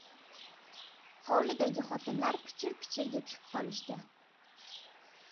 Hovlidagi xotinlar pichir-pichirga tushib qolishdi.